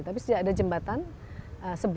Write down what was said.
tapi sudah ada jembatan sebelas tahun lalu yang